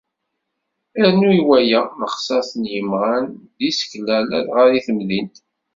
Rnu i waya, lexṣaṣ n yimɣan d yisekla, ladɣa deg temdint.